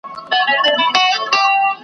ملنګه ! چې دا خلک پۀ تُندۍ چرته روان دي؟ .